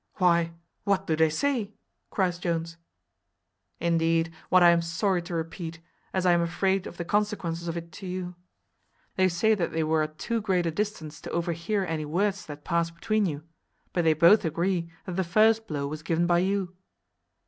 "Why, what do they say?" cries Jones. "Indeed what I am sorry to repeat, as I am afraid of the consequence of it to you. They say that they were at too great a distance to overhear any words that passed between you: but they both agree that the first blow was given by you."